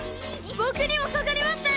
ぼくにもかかりましたよ！